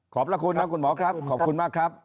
พระคุณนะคุณหมอครับขอบคุณมากครับ